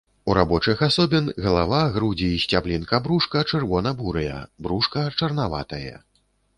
У рабочых асобін галава, грудзі і сцяблінка брушка чырвона-бурыя, брушка чарнаватае.